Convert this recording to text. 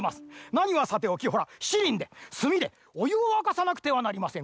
なにはさておきほらしちりんですみでおゆをわかさなくてはなりません。